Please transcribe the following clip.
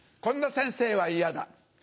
こんな先生は嫌だ。